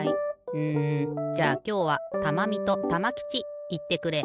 うんじゃあきょうはたまみとたまきちいってくれ。